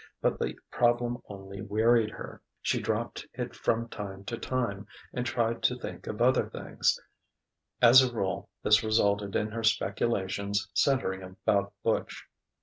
But the problem only wearied her. She dropped it from time to time and tried to think of other things; as a rule this resulted in her speculations centering about Butch.